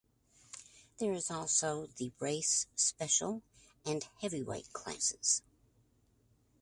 There is also the Race Special and Heavyweight classes.